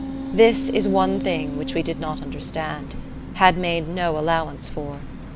This is one thing which we did not understand had made no allowance for.